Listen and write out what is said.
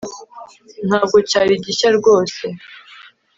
Ntabwo cyari gishya rwose